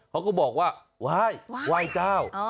เขาก็บอกว่าว่ายว่ายเจ้า